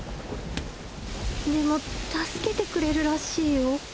でも助けてくれるらしいよ。